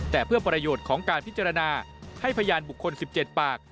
แต่เพื่อประโยชน์ของการพิจารณาให้พยานบุคคล๑๗ปาก